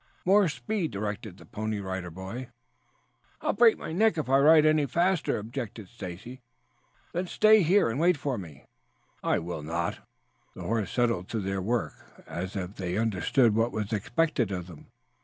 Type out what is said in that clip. "More speed," directed the Pony Rider Boy. "I'll break my neck if I ride any faster," objected Stacy. "Then stay here and wait for me." "I won't." The horses settled to their work as if they understood what was expected of them.